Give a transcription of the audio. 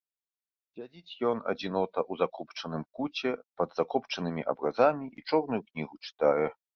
Сядзіць ён, адзінота, у закопчаным куце пад закопчанымі абразамі і чорную кнігу чытае.